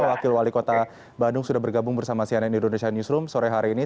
wakil wali kota bandung sudah bergabung bersama cnn indonesia newsroom sore hari ini